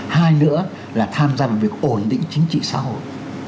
hai nữa là tham gia vào việc ổn định chính trị xã hội